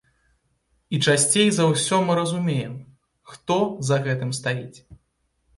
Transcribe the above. І часцей за ўсё мы разумеем, хто за гэтым стаіць.